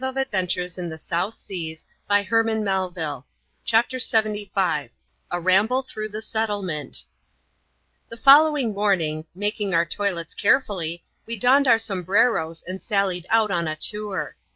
9M ADVENTURES IN THE SOUTH SEAS. [cKikP. uunr. CHAPTER LXXV. A Ramble through the Settlement. The following morning, making our toilets carefully, we donned our sombreros, and sallied out on a tour.